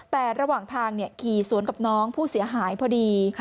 แต่ระหว่างทางขี่สวนกับน้องผู้เสียหายพอดี